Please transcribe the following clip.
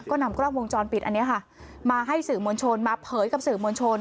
ก็นำกล้องวงจรปิดอันนี้ค่ะมาให้สื่อมวลชนมาเผยกับสื่อมวลชน